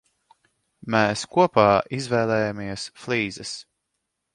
Mēs kopā izvēlējāmies flīzes.